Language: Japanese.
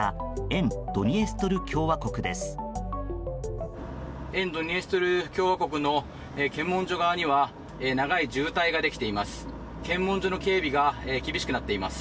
沿ドニエストル共和国の検問所側には長い渋滞ができています。